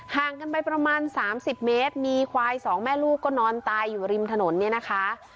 ห่างกันไปประมาณ๓๐เมตรมีควายสองแม่ลูกก็นอนตายอยู่ริมถนนเนี่ยนะคะ